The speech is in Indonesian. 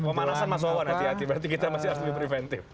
pemanasan mas wawan hati hati berarti kita masih harus lebih preventif